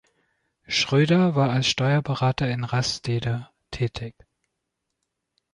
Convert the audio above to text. Schröder war als Steuerberater in Rastede tätig.